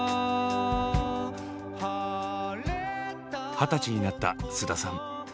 二十歳になった菅田さん。